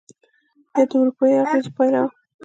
یا دا د اروپایي اغېزو پایله وه؟